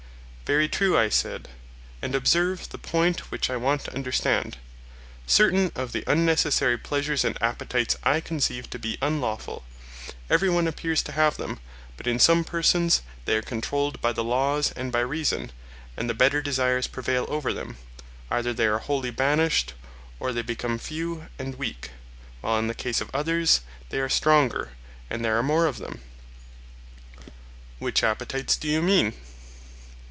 Very true, I said; and observe the point which I want to understand: Certain of the unnecessary pleasures and appetites I conceive to be unlawful; every one appears to have them, but in some persons they are controlled by the laws and by reason, and the better desires prevail over them—either they are wholly banished or they become few and weak; while in the case of others they are stronger, and there are more of them. Which appetites do you mean?